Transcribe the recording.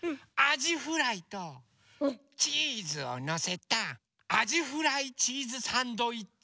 じフライとチーズをのせたあじフライチーズサンドイッチ